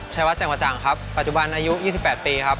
ชายวัดแจ่งกระจ่างครับปัจจุบันอายุ๒๘ปีครับ